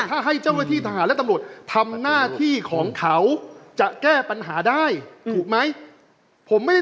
ถ้าให้เจ้าหน้าที่ทหารและตำรวจทำหน้าที่ของเขาจะแก้ปัญหาได้ถูกไหมผมไม่ได้